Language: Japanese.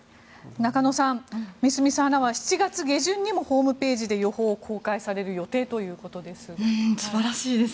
中野さん、三隅さんらは７月にもホームページで情報を公開する予定だそうです。